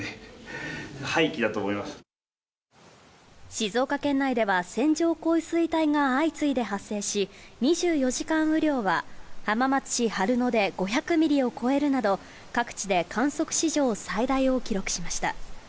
静岡県内では線状降水帯が相次いで発生し、２４時間雨量は、浜松市春野で５００ミリを超えるなど各地で観測史上最大を記録しました。